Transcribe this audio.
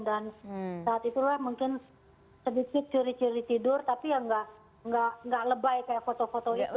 dan saat itulah mungkin sedikit curi curi tidur tapi ya nggak lebay kayak foto foto itu